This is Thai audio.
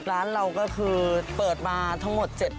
ร้านเราก็คือเปิดมาทั้งหมด๗ปีแล้วค่ะ